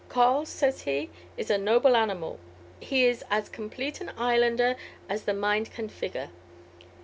"Col," says he, "is a noble animal. He is as complete an islander as the mind can figure.